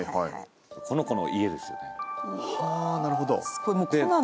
この子の家ですよ。